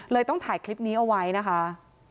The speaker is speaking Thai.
ต้องถ่ายคลิปนี้เอาไว้นะคะ